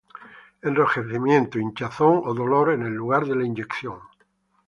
Enrojecimiento, hinchazón o dolor en el lugar de la inyección